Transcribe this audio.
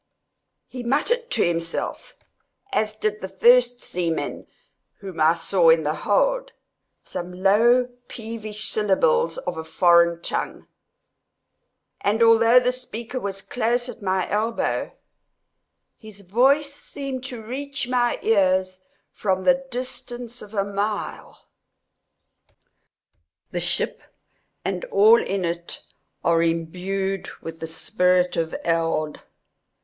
He muttered to himself, as did the first seaman whom I saw in the hold, some low peevish syllables of a foreign tongue, and although the speaker was close at my elbow, his voice seemed to reach my ears from the distance of a mile. The ship and all in it are imbued with the spirit of Eld.